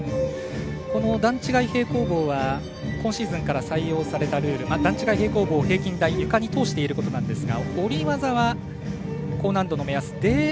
段違い平行棒は今シーズンから採用されたルール段違い平行棒、平均台ゆかにとおしていえることなんですが下り技は高難度の目安